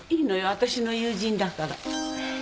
私の友人だから。